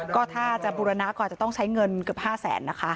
ก็ถ้าจะบูรณะก็อาจจะต้องใช้เงินเกือบ๕แสนนะคะ